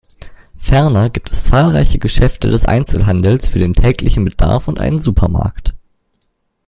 Ferner gibt es zahlreiche Geschäfte des Einzelhandels für den täglichen Bedarf und einen Supermarkt.